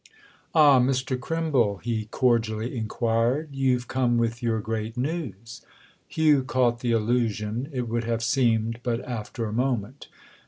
III "Ah, Mr. Crimble," he cordially inquired, "you've come with your great news?" Hugh caught the allusion, it would have seemed, but after a moment.